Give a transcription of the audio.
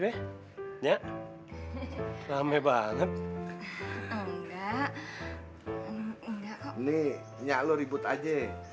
katanya kapan bisa ni memang cucu yang rambutnya pirang